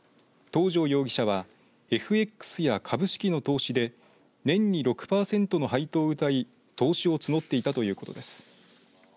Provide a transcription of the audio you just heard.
東條容疑者はＦＸや株式の投資で年に６パーセントの配当をうたい投資を募っていたということです。